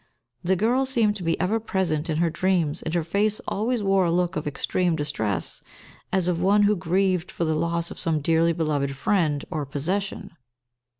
The girl seemed to be ever present in her dreams, and her face always wore a look of extreme distress, as of one who grieved for the loss of some dearly beloved friend or possession.